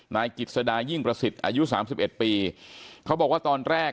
นายกิจสดายิ่งประสิทธิ์อายุ๓๑ปีเขาบอกว่าตอนแรก